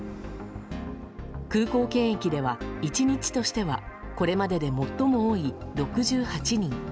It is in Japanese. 空港検疫では、１日としてはこれまでで最も多い６８人。